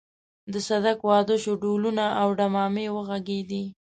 د صدک واده شو ډهلونه او ډمامې وغږېدې.